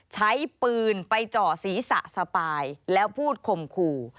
ใช้ปืนไปเจาะศีรษะสปายแล้วพูดข่มขู่